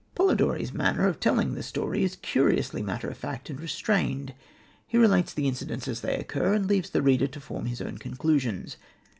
Polidori's manner of telling the story is curiously matter of fact and restrained. He relates the incidents as they occur, and leaves the reader to form his own conclusions.